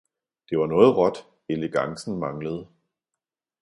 Det var noget råt, elegancen manglede!